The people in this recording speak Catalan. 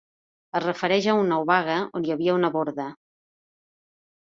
Es refereix a una obaga on hi havia una borda.